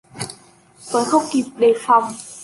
Tuấn không kịp đề phòng